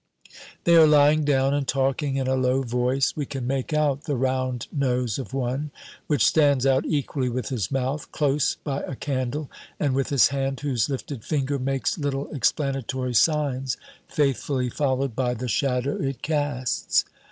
They are lying down and talking in a low voice. We can make out the round nose of one, which stands out equally with his mouth, close by a candle, and with his hand, whose lifted finger makes little explanatory signs, faithfully followed by the shadow it casts.